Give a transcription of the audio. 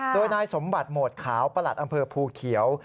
โดยนายสมบัติโหมดขาวประหลัดอำเภอภูเขียว